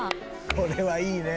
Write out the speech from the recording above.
これはいいね。